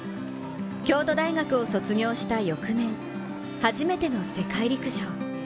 京都大学を卒業した翌年初めての世界陸上。